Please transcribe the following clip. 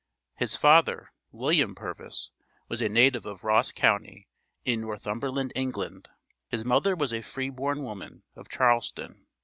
His father, William Purvis, was a native of Ross county, in Northumberland, England. His mother was a free born woman, of Charleston.